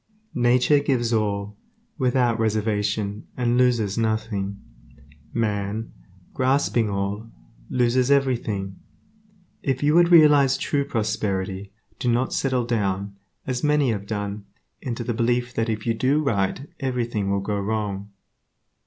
Nature gives all, without reservation, and loses nothing; man, grasping all, loses everything. If you would realize true prosperity do not settle down, as many have done, into the belief that if you do right everything will go wrong.